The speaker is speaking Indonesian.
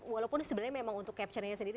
walaupun sebenarnya memang untuk capture nya sendiri